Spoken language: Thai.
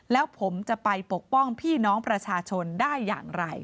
แล้วผมจะไปปกป้องพี่น้องประชาชนได้อย่างไร